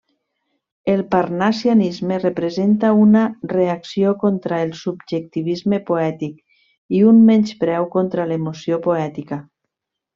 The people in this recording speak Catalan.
El parnassianisme representa una reacció contra el subjectivisme poètic i un menyspreu contra l'emoció poètica.